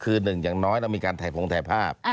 คือหนึ่งอย่างน้อยเรามีการถ่ายพงถ่ายภาพ